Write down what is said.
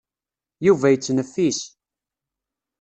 Yuba yettneffis.